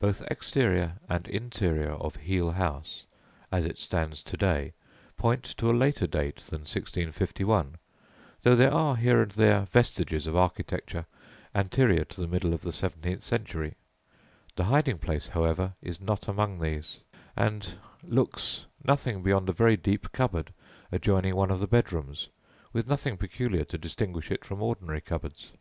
Both exterior and interior of Heale House as it stands to day point to a later date than 1651, though there are here and there vestiges of architecture anterior to the middle of the seventeenth century; the hiding place, however, is not among these, and looks nothing beyond a very deep cupboard adjoining one of the bedrooms, with nothing peculiar to distinguish it from ordinary cupboards.